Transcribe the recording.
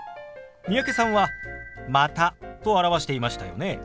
三宅さんは「また」と表していましたよね。